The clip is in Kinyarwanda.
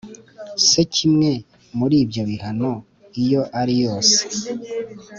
se kimwe muri ibyo bihano iyo ari yose